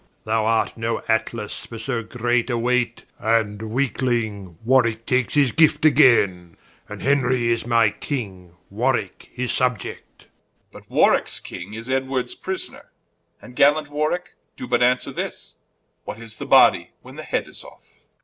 Thou art no Atlas for so great a weight: And Weakeling, Warwicke takes his gift againe, And Henry is my King, Warwicke his Subiect Edw. But Warwickes King is Edwards Prisoner: And gallant Warwicke, doe but answer this, What is the Body, when the Head is off?